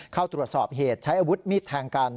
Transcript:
เข้าตรวจสอบเหตุใช้อาวุธมีดแทงกัน